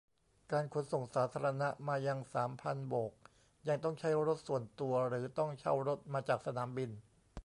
การขนส่งสาธารณะมายังสามพันโบกยังต้องใช้รถส่วนตัว หรือ ต้องเช่ารถมาจากสนามบิน